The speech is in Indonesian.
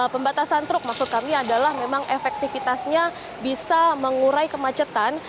pembatasan truk maksud kami adalah memang efektivitasnya bisa mengurai kemacetan